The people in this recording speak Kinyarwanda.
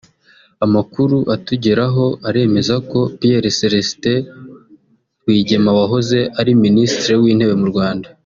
Amakuru atugeraho aremeza ko Pierre Céléstin Rwigema wahoze ari Ministre w’intere mu Rwanda